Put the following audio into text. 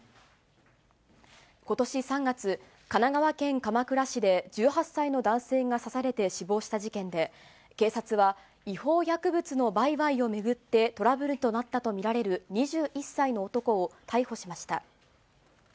ことし３月、神奈川県鎌倉市で、１８歳の男性が刺されて死亡した事件で、警察は、違法薬物の売買を巡ってトラブルとなったと見られる２１歳の男を逮捕しました。